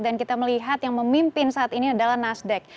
dan kita melihat yang memimpin saat ini adalah nasdaq